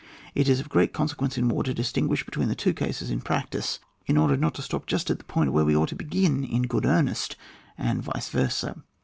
It is of great conso quenoe in war to distinguish between the two cases in practice, in order not to stop just at the point where we ought to be gin in good earnest, and vice verad, 2.